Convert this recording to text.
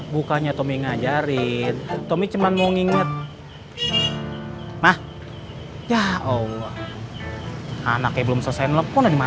bukannya tommy ngajarin tommy cuman mau nginget mah ya allah anaknya belum selesai nelfon